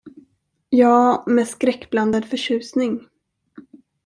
Ja, med skräckblandad förtjusning.